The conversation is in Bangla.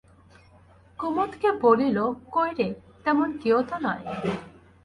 কুমুদকে বলিল, কই রে, তেমন গেঁয়ো তো নয়।